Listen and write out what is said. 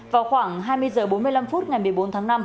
vào khoảng hai mươi h bốn mươi năm phút ngày một mươi một h ba mươi